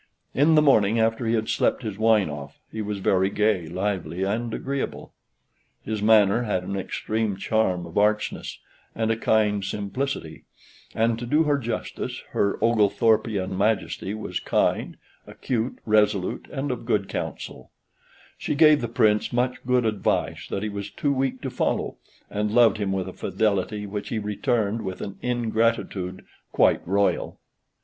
In the morning after he had slept his wine off, he was very gay, lively, and agreeable. His manner had an extreme charm of archness, and a kind simplicity; and, to do her justice, her Oglethorpean Majesty was kind, acute, resolute, and of good counsel; she gave the Prince much good advice that he was too weak to follow, and loved him with a fidelity which he returned with an ingratitude quite Royal.